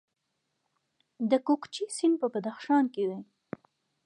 د کوکچې سیند په بدخشان کې دی